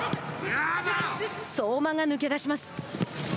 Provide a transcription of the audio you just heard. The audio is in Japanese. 相馬が抜け出します。